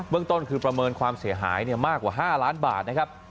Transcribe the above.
เรื่องต้นคือประเมินความเสียหายมากกว่า๕ล้านบาทนะครับ